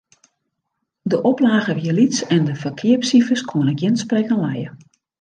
De oplage wie lyts en de ferkeapsifers koene gjin sprekken lije.